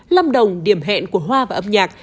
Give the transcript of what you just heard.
lâm đồng điểm hẹn của hoa và âm nhạc